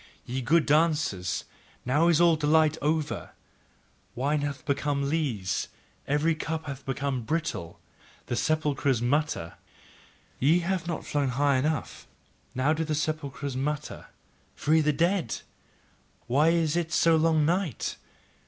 Ye good dancers, now is all delight over: wine hath become lees, every cup hath become brittle, the sepulchres mutter. Ye have not flown high enough: now do the sepulchres mutter: "Free the dead! Why is it so long night?